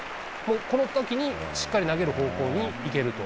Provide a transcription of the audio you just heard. このときに、しっかり投げる方向にいけると。